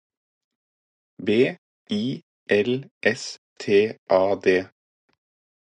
B I L S T A D